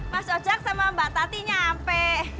mas ojek sama mbak tati nyampe